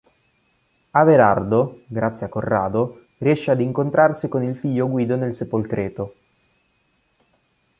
Averardo, grazie a Corrado, riesce ad incontrarsi con il figlio Guido nel sepolcreto.